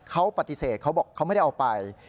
เขาปฏิเสธเขาบอกเขาไม่ได้เอาไป